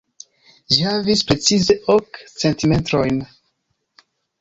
Ĝi havis precize ok centimetrojn!